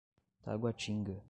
Taguatinga